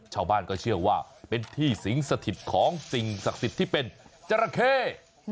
ชาวบ้านก็เชื่อว่าเป็นที่สิงสถิตของสิ่งศักดิ์สิทธิ์ที่เป็นจราเข้